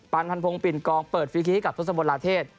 ันพันพงศ์ปิ่นกองเปิดฟรีคีให้กับทศพลลาเทศ